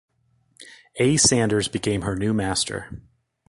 A. Sanders became her new master.